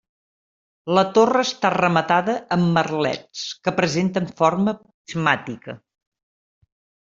La torre està rematada amb merlets que presenten forma prismàtica.